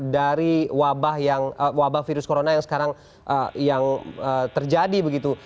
dari wabah virus corona yang sekarang yang terjadi begitu